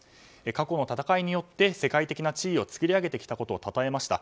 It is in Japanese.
過去の戦いによって世界的な地位を作り上げてきたことをたたえました。